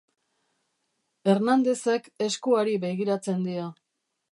Hernandezek esku hari begiratzen dio.